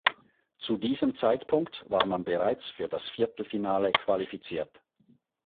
Zu diesem Zeitpunkt war man bereits für das Viertelfinale qualifiziert.